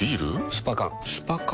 スパ缶スパ缶？